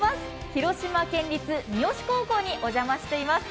広島県立三次高校にお邪魔しています。